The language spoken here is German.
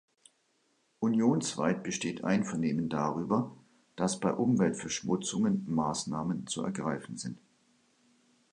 Unionsweit besteht Einvernehmen darüber, dass bei Umweltverschmutzungen Maßnahmen zu ergreifen sind.